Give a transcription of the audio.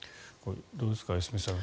どうですか、良純さん。